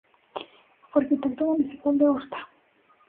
Fue arquitecto municipal de Horta.